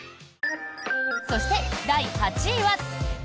そして、第８位は。